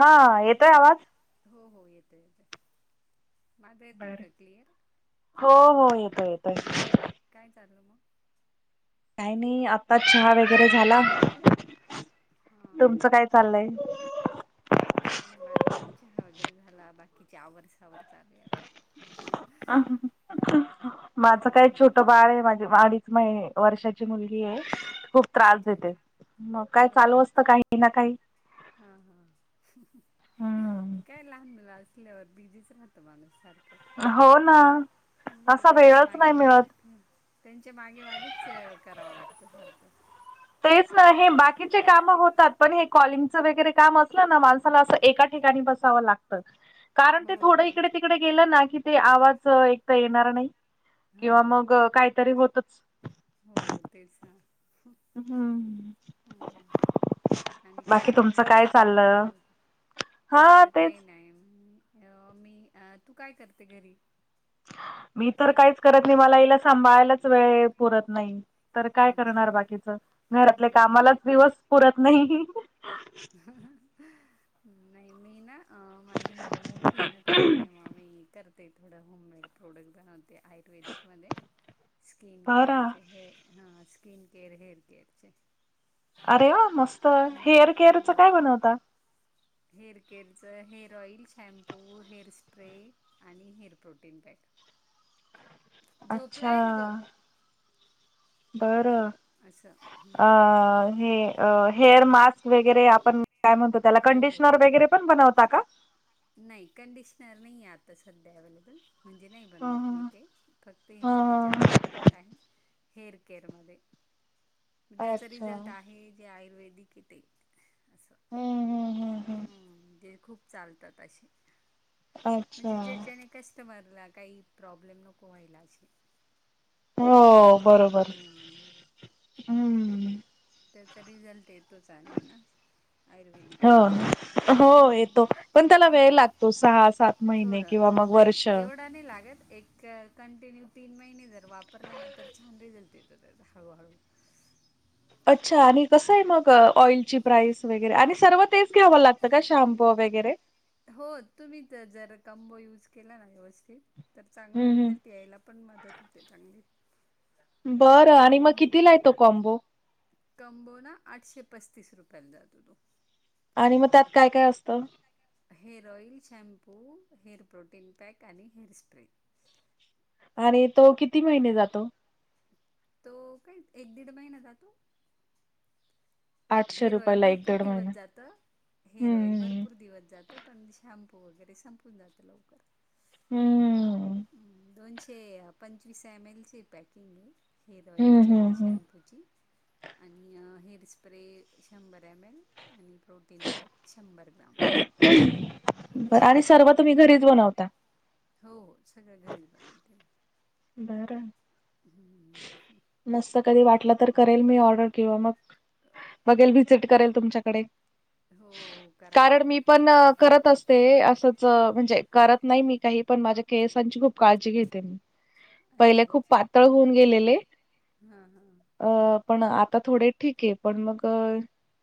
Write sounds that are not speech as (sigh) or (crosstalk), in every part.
हा येतोय आवाज? हो हो येतोय येतोय माझ येतोय का क्लिअर. हो हो येतोय येतोय. काय चाललं मग काही नाही आत्ता चहा वगैरे झाला हा तुमचं काय चाललंय काही नाही माझा पण चहा वगैरे झाला बाकीच्या आववरसावर चालूये आता माझं काय हम्म. छोट तो बाळ आहे माझी अडीच महि वर्षाची मुलगी आहे खूप त्रास अच्छा देते अच्छा मग काय हो चालू का असतं काही ना काही. हा हा हम्म काय लहान मुलं असल्यावर बीजीच राहतं माणूस सा हो ना हम्म असा त्यांच्या वेळच मागे नाही मागे. मिळत त्यांच्या मागे मागेच करावं लागतं सारखं तेच ना हे बाकीचे काम होतात पण हे कॉलिंगच वगैरे काम असलं ना माणसाला असं एका ठिकाणी बस बघावं लागत कारण ते हो थोडं पण इकडे तिकडे गेलं ना की ते आवाज एक तर येणार नाही हो किंवा मग काहीतरी होतच हो तेचंना. हम्म. आणि काय बाकी तुमचं बोलणार आहे काय सारखं चाललं? सारखं हा माझं तेच. काही नाही म त अ मी तू काय करते घरी. मी तर काय का काहीच करत नाही मला हिला सांभायलाच वेळ पुरत नाही. तर काय अच्छा करणार बाकीच घरातले हम्म, कामालाच दिवस पुरत नाही. हम्म. नाही मी ना अ माझी मुलं मोठी आहे ना त्याच्यामुळे मग मी कर ते थोडं होममेड प्रोडक्ट बनवते आयुर्वेदिकमध्ये स्किन बरं केअरचे हे हा स्किन केअर हेअर केअरचे. अरे वा मस्त हम्म हेअर केअरच हम्म. काय बनवता. हेअर केअरच hair oil shampoo hair spray आणि हेअर प्रोटीन पॅक. अच्छा. झोपलाय रे तो बरं असं अ हम्म. हे. हेअर मास्क वगैरे आपण काय म्हणतो त्याला हो हो. कंडिशनर वगैरे पण बनवता का. नाही कंडिशनर नाही आहे आता सध्या अवेलेबल. म्हणजे नाही हा बनवत मी ते फक्त हे हा माझे चार प्रोडक् आहे हेअर केअर म हा. त्याचा अच्छा रिझल्ट आहे आयुर्वेदिक ये ते असं. हम्म हम्म हम्म. चालता ताशि म्हणजे अच्छा. जे जेने कस्टमरला काही प्रॉब्लेम नको व्हायला अशे. हो. बरोबर हम्म. हम्म. त्याचा रिझल्ट येतोच आणि ना आयुर्वेदिक. हो हो हम्म येतो पण त्याला थोडं वेळ लागतो सहा सात महिने किंवा थोडं मग वर्ष नाही एवढा नाही लागत एक कंटिन्यू तीन महिने जर वापरला ना तर छान रिझल्ट येतो त्यात हळूहळू. अच्छा आणि कसं आहे मग ऑइलची प्राइस वगैरे आणि सर्व तेच घ्यावं लागतं का शॅम्पू वगैरे. हो तुम्ही तर जर कॉम्बो यूज केला ना व्यवस्थित तर चांगला हम्म रिझल्ट हम्म यायला पण मदत होते चांगली. बरं आणि मग किती ला येतो कॉम्बो? कंबोना आठशे पस्तीस रुपयाला जातो तो. आणि मग त्यात काय काय असतं? Hair oil, shampoo, hair protein pack आणि हेअर स्प्रे. आणि तो किती महिने जातो? तो काही एक दीड महिना जातो. आठशे हे रॉयल रुपयाला एक भरपूर दीड महिना दिवस जात हे रॉयल हम्म भरपूर दिवस जात पण शॅम्पू वगैरे संपून जातं लवकर. हम्म. दोनशे पंचवीस एम एल ची पॅकिंग आहे. हेअर हम्म ऑइल हम्म आणि हम्म श्यॉमपूची आणि हेअर स्प्रे शंभर एम एल आणि प्रोट तीन पॅक शंभर ग्राम. बर अशी आणि पॅकिंग सर्व आहे. तुम्ही घरीच बनवता? हो हो सगळ्या घरीच बनवते मी. बर मस्त कधी वाटलं तर, करेल मी ऑर्डर किंवा मग बघेल विजिट करेल तुमच्याकडे. हो हो करा करा कारण मी नक्की. पण करत अस ते, असंच म्हणजे करत नाही मी काही, पण माझ्या केसांची खूप काळजी घेते मी. अच्छा अच्छा. बघुन गेलेले. हा हा. अ पण आता थोडे ठीक आहे, पण मग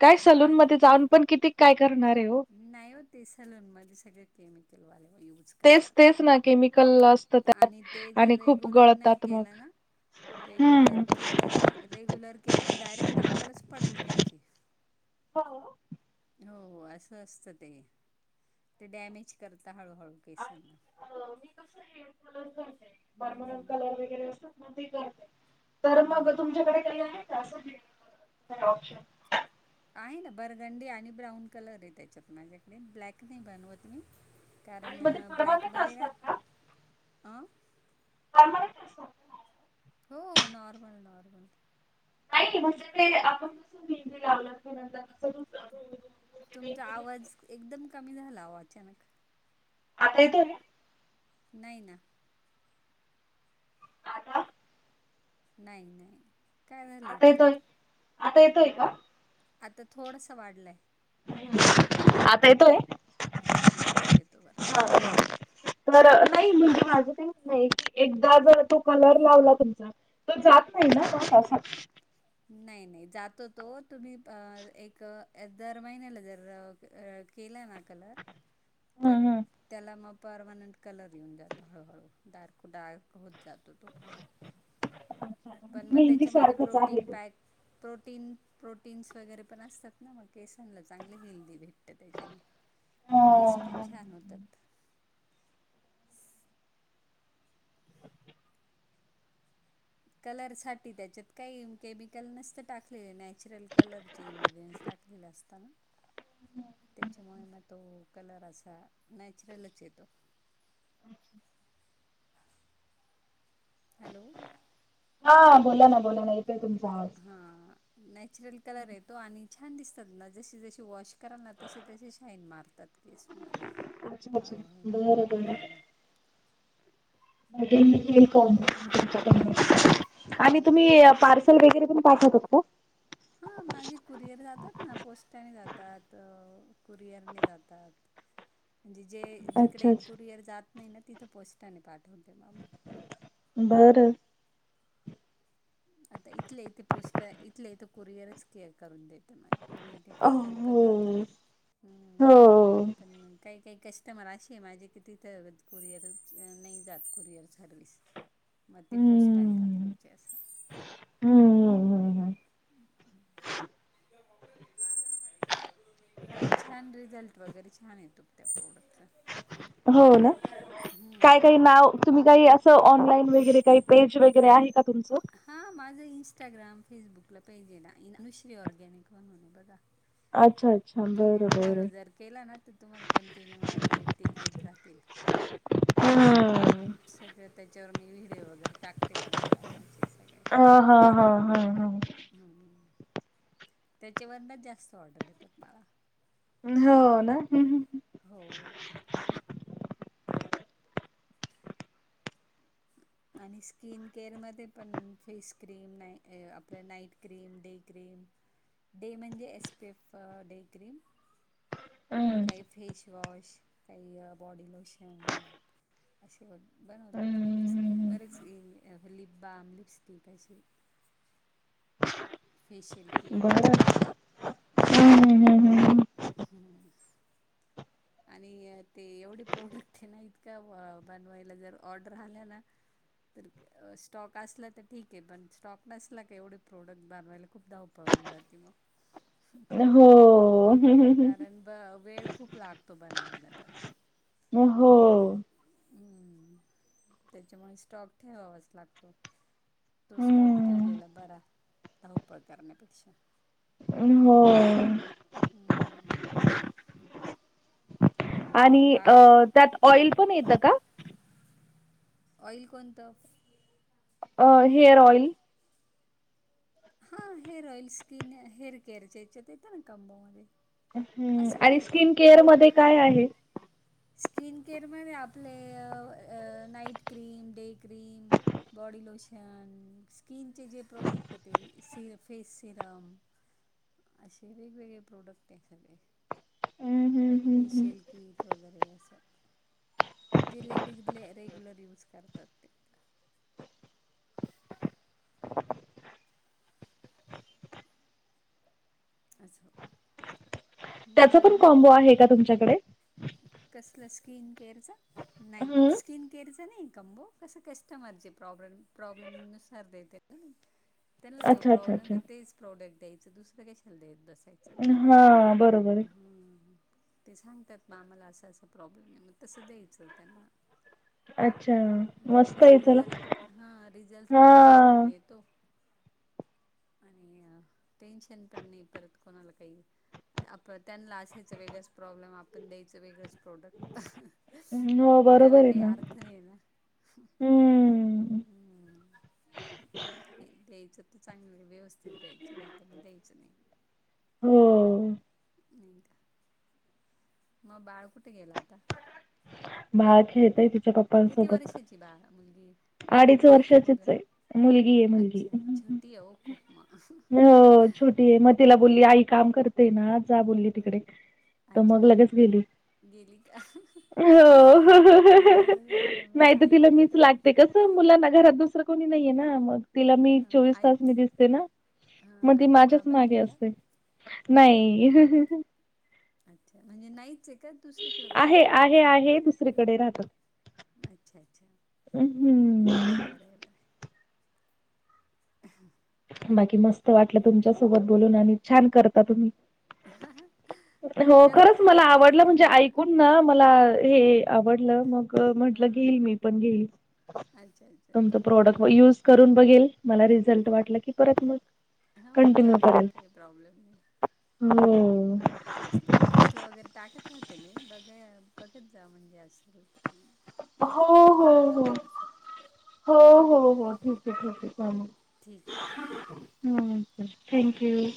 काय सलून बाळ मध्ये जाऊन पण किती काय करणार ये ओ. नाही हो, ते सलून मध्येे सगळ केमिकल वाले यूज तेच तेच ना केमिकल असतं करतात त्यात आणि ते जर आणि खूप रेग्युलर नाही गळतात मग. केलं ना. हम्म. रेग्युलर केलं नाही, रेग्युलर केलं तर, डायरेक्ट टक्कलच पडेल तुमची. हो. हो असं असतं ते. ते डॅमेज करत हळूहळू केसांना. हो मी कस हेअर कलर करते, परमनंट हम्म कलर वगैरे असतात ना ते करते. तर मग हम्म. तुमच्याकडे काही आहे का, असं काही ऑप्शन? आहे ना बरगंडी आणि ब्राऊन कलर आहे त्याच्यात माझ्याकडे, ब्लॅक नाही बनवत मी. आणि कारण मग ते परमनंट ब्लॅकमध्ये ना असतात हा का मला (inaudible) हो नॉर्मल-नॉर्मल. नाही म्हणजे ते आपण कस ब लावला नंतर कस. तुमचा आवाज एकदम कमी झाला आओ अचानक. आता येतो का? नाही ना. आता? नाही-नाही काय झालं आता येतोय इतक्यात? आता येतोय का? आता थोडसा वाढलाय. आता येतोय? हा, हा आता येतो बरोबर. हा तर नाही म्हणजे माझं काही नाही, एकदा जो तो कलर लावला तुमचा. तर जात नाही ना, पा त असां. नाही-नाही जातो तो, तुम्ही एक दर महिन्याला जर केला ना कलर तर हम्म हम्म. त्याला मग परमनंट. कलर येऊन जातो, हळूहळू डार्क-डार्क होत जातो तो. पण मग मेहंदी त्याच्यामध्ये सारखंच आहे प्रोटीन ते. पॅक. प्रोटीन प्रोटीन्स वगैरे पण असतात ना मग केसांला चांगलं हेल्दी भेटतं त्याच्याने. केस पण छान होतात. कलरसाठी त्याच्यात काही केमिकल नसतं टाकलेलं नॅचरल कलर चे इन्ग्रेडियंट्स टाकलेले असताना. (inaudible) त्याच्यामुळे मग तो कलर असा नॅचरलच येतो. हॅलो. हा बोला ना, बोला ना येतोय तुमचा आवाज. हा नॅचरल कलर आहे तो, आणि छान दिसतात ना जशी-जशी वॉश कराल ना तसे तसे शाईन मारतात केस मग, अच्छा अच्छा हळूहळू बरं बरं हम. आणि तुम्ही तेल कोणत वापरता तुम्ही? हो आणि हो तुम्ही पार वगैरे प पाठतात का? हा माझी कुरिअर जातात ना पोस्टाने जातात कुरिअरने जातात. (inaudible) म्हणजे जे अच्छा जिकडे अच्छा कुरिअर जात नाही ना तिथं पोस्टाने पाठवते. बरं आता इथले यथे पोस्ट इथले इथे कुरिअरच केअर करून देत. ते माग पुरी हटी पटकन पणजात हो. हम्म. हो पणग काही काही कस्टमर असे माझे कि तिथं कुरिअर नाही जात कुरिअर रलीस. (inaudible) मग ते पोष्टट आहेेतात थोयचे. हम्म हम्म हम्म हम्म. पंचन रिझल्ट. वगैरे छान येतो त्या प्रोडक्ट. हो ना काय काही नाव तुम्ही काही अस. ऑनलाईन वगैरे काही पेज वगैरे आहे का तुमचं. हा माझा इं्स्टाग्राम फेसबुकला पेज आहे ना अनुश्री ऑर्गॅनिक म्हणून बघा, अच्छा अच्छा. तुम्ही बरं फॉलो बरं जर केला ना तर तुम्हाला कंटिन्यू अपडेट ते येत राहतील. हम्. सगळं त्याच्यावर मी व्हिडिओ वगैरे टाकते बनवता म्हणे स ह हा हा हा हा. त्याच्यावरन जास्त ऑर्डर घेतात मला. हो ना. हो. (inaudible) आणि स्किन केअरमध्ये पण फेस क्रीम ना आपलं night cream day cream. Day म्हणजे S P F day cream. हम्म काही फेशवाॉश काही बॉडी लोशन. असे हो बनवते बरेच हम्म. बरेच अस लिप बाम लिपस्टिक असे. Facial kit. बरं हम्म हम्म (unintelligible) आणि ते... एवढे प्रोडक्ट ए ना, इतकं बनवायला जर ऑर्डर आल्या ना तर स्टॉक असला तर ठीक ए, पण स्टॉक नसला का एवढे प्रोडक्ट बनवायला खूप धावपळ होवून जाती मग हो कारण ब वेळ खूप लागतो बनवायला त्याला हो हम्म. त्यांच्यामुळे स्टॉक ठेवावाच लागतो तो स्टॉक हम्म ठेवलेला बरा, धावपळ करण्यापेक्षा अम्म हो हम्म आणि मग अ बाळ त्यात ऑइल पण येत का? ऑइल कोणत? अ हेअर ऑइल. हां हेअर ऑइल स्किन हेअर केअरच्या याच्यात येतं ना कंबोमध्ये. ह्म असं पण आणि येतं स्किन केअर मध्ये काय आहे? स्किन केअरमध्ये आपले night cream day cream. Body lotion, स्किनचे जे प्रॉडक्ट ए ते... सिर.. फेस सिरम (unintelligible) अशे वेगवेगळे प्रोडक्ट ए सगळे हम्म हम्म हम्म हम्म फेशियल कीट वगैरे असं जे लेडीज ले रेग्युलर यूज करतात ते आसं त्याचा पण कॉम्बो आहे का तुमच्याकडे? कसलं स्किन केअरचं? नाई हम्म स्किन केअरचा नई कंबो, कसं कस्टमरचे प्रॉब्लेम प्रॉब्लेम नुसार देते. ना मी त्यांना जो अच्छा अच्छा प्रॉब्लेम अच्छा ए तेच प्रॉडक्ट द्यायचं, दुसरं कशाला देत बसाय चलत्या, हा बरोबर आहे हम्म. ते सांगतात म आम्हाला असा असा प्रॉब्लेम ए मग तसं द्यायचं त्यांना. अच्छा म्हणजे मस्त कसं आहे चला रिझल्ट हां रिझल्ट हा पण येतो. आणि अ टेन्शन पण नई परत कोणाला काई आप त्यांना असायचा वेगळाच प्रॉब्लेम, आपण द्यायचं वेगळंच प्रोडक्ट. अहं हो त्याला बरोबर आहे काय ना अर्थ नई ना. हम्म हम्म ते द्यायचं. चांगलं व्यवस्थित द्यायचं नई तर म द्यायचं नाई. हो नई का. म बाळ कुठं गेला आता? बाळ खेळतय तिच्या पप् किती वर्षाची बाळा मुलगी ए? अडीच मुलगी का मुलगा वर्षाचीच ए? आहे मुलगी आहे मुलगी अच्छा छोटी ए ओ खूप म हो छोटी ए म तिला बोलली आई काम करतेय ना जा बोलली तिकडे, त अच्छा मग अच्छा लगेच गेली हो. गेली का? हं हं हं हं हं बरं झालं नाय बरं त तिला ऐकते मीच तरी लागते कसं मुलांना घरात दुसरं कुणी नईये ना, मग तिला मी हां चोवीस आज तास मी दिसते ना हां मग ती आजी माझ्याच बाबा मागे नाही का? असते. नाई हं हं हं अच्छा, म्हणजे नाहीच ए का, दुसरीकडं कुठे आहे राहता आहे असं आहे दुसरीकडे राहतात. अच्छा, अच्छा, हम्म बरंय बरंय. ऐहं (unintelligible) बाकी मस्त वाटलं तुमच्या सोबत बोलून आणि छान करता तुम्ही. हो करत खरंच राहायला मला पाहिजे आवडलं म्हणजे हां ऐकून ना मला हे आवडलं मग अ म्हंटलं हां कि हां मी पण घेईल अच्छा अच्छा तूमच ठीक आहे प्रॉडक्ट ठीक यूज करून बघेल मला रिझल्ट वाटलं की परत मग हो कंटिन्यू चालेल ना करेल. काही प्रॉब्लेम नाही. हो. स्टे टेस्टला वगैरे टाकत राहते मी बघे बघत जा म्हणजे असल त. ब हो वेळ हो मिळाला हो तर असं हो हं. हो हो ठीक आहे ठीक आहे चालेल. ठीक आहे चालेल हम थँक्यू.